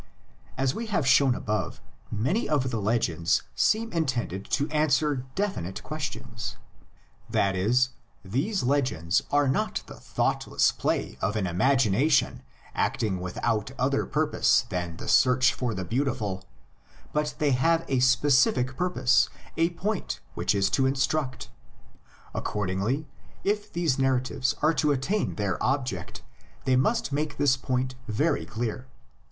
As has been shown above, many of the legends seem intended to answer definite questions. That is, these legends are not the thoughtless play of an imagination acting without other purpose than the search for the beautiful, but they have a specific LITERARY FORM OF THE LEGENDS. 75 purpose, a point, which is to instruct. Accord ingly, if these narratives are to attain their object they must make this point very clear.